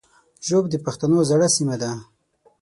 ږوب د پښتنو زړه سیمه ده